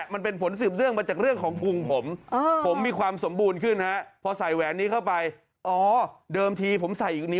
มันเป็นผลสูบเรื่องมาจากเรื่องของภูมิผม